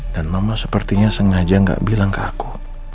dan mama sepertinya sengaja gak bilang ke aku